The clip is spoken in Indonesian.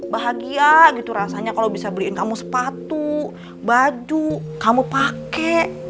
bahagia gitu rasanya kalau bisa beliin kamu sepatu baju kamu pakai